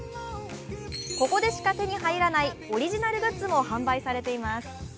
ここでしか手に入らないオリジナルグッズも販売されています。